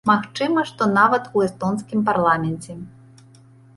Магчыма, што нават у эстонскім парламенце.